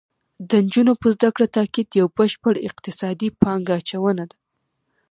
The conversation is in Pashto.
د نجونو په زده کړه تاکید یو بشپړ اقتصادي پانګه اچونه ده